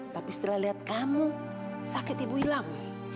tapi setelah lihat kamu sakit ibu hilang